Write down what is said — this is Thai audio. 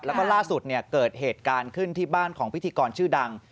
แล้วก็ล่าสุดเกิดเหตุการณ์ขึ้นที่บ้านของพิธีกรชื่อดัง